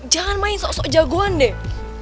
jangan main sok sok jagoan deh